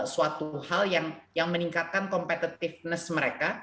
suatu hal yang meningkatkan competitiveness mereka